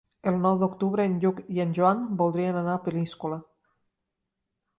El nou d'octubre en Lluc i en Joan voldrien anar a Peníscola.